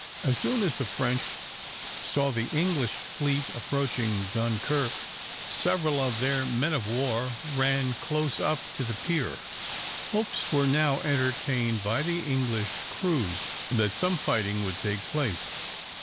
As soon as the French saw the English fleet approaching Dunkirk, several of their men of war ran close up to the pier. Hopes were now entertained by the English crews that some fighting would take place.